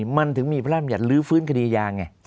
อาจารย์ถึงมีพระราชมันอยากลื้อฟื้นคดียาไง